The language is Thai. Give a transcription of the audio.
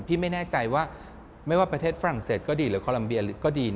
พี่ไม่แน่ใจว่าไม่ว่าประเทศฝรั่งเศสก็ดีหรือคอลัมเบียก็ดี